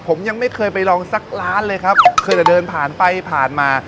ผมยังไม่เคยไปลองสักร้านเลยครับเคยแต่เดินผ่านไปผ่านมา